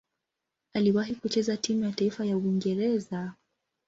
Aliwahi kucheza timu ya taifa ya Uingereza.